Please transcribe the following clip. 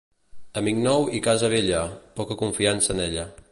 Amic nou i casa vella, poca confiança en ella.